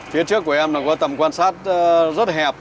phía trước của em là có tầm quan sát rất là hẹp